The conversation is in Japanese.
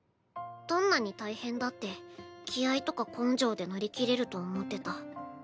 どんなに大変だって気合いとか根性で乗り切れると思ってた。